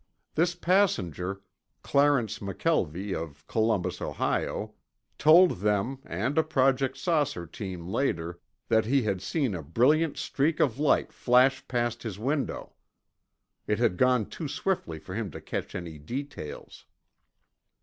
This passenger, Clarence McKelvie of Columbus, Ohio, told them (and a Project "Saucer" team later) that he had seen a brilliant streak of light flash past his window. It had gone too swiftly for him to catch any details.